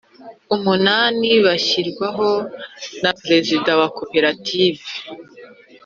umunani bashyirwaho na Perezida wa koperative